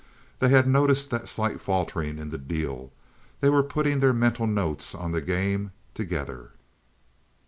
They had noticed that slight faltering in the deal; they were putting their mental notes on the game together.